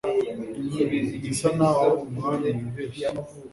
gisa n'aho umwami yibeshya